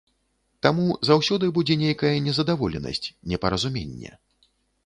Таму заўсёды будзе нейкая незадаволенасць, непаразуменне.